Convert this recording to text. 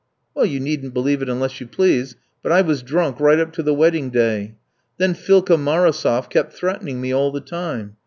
"Well, you needn't believe it unless you please, but I was drunk right up to the wedding day. Then Philka Marosof kept threatening me all the time.